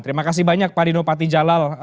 terima kasih banyak pak dino patijalal